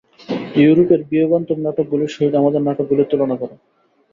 ইউরোপের বিয়োগান্তক নাটকগুলির সহিত আমাদের নাটকগুলির তুলনা কর।